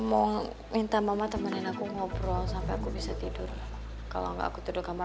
mau minta mama temenin aku ngobrol sampai aku bisa tidur kalau enggak aku tidur kamar